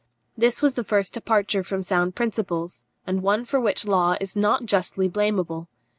This was the first departure from sound principles, and one for which Law is not justly blameable.